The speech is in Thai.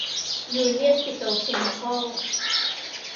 ยูเนี่ยน ปิโตรเคมีคอล